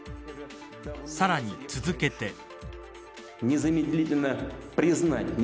さらに続けて。